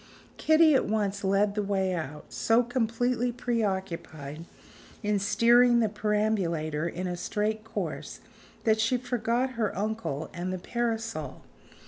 Kitty at once led the way out; so completely preoccupied in steering the perambulator in a straight course that she forgot her uncle and the parasol.